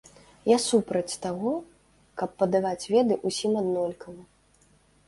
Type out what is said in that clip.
Я супраць таго, каб падаваць веды ўсім аднолькава.